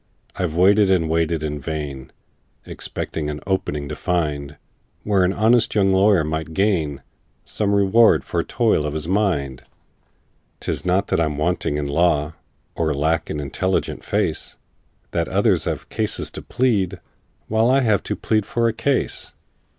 "I've waited and waited in vain, Expecting an 'opening' to find, Where an honest young lawyer might gain Some reward for toil of his mind. "'Tis not that I'm wanting in law, Or lack an intelligent face, That others have cases to plead, While I have to plead for a case.